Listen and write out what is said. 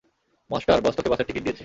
Master, boss তোকে বাসের ticket দিয়েছে।